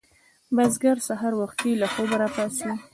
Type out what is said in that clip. بزګر سهار وختي له خوبه راپاڅي